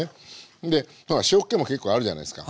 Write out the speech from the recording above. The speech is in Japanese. で塩っ気も結構あるじゃないですか？